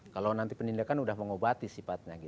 kalau nanti penindakan sudah mengobati sifatnya